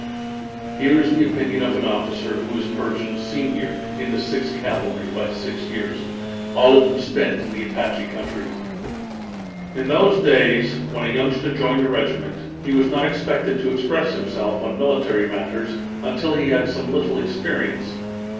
Here is the opinion of an officer who was Pershing's senior in the Sixth Cavalry by six years all of them spent in the Apache country: "In those days, when a youngster joined a regiment, he was not expected to express himself on military matters until he had some little experience.